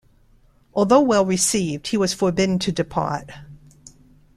Although well received, he was forbidden to depart.